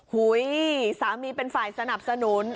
หุ้ยสามีเป็นฝ่ายสนับสนุน